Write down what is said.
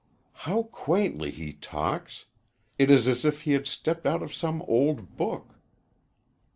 "How quaintly he talks. It is as if he had stepped out of some old book."